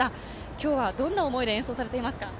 今日はどんな思いで演奏されていますか？